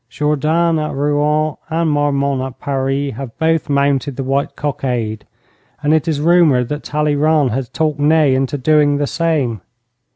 'Jourdan at Rouen and Marmont at Paris have both mounted the white cockade, and it is rumoured that Talleyrand has talked Ney into doing the same.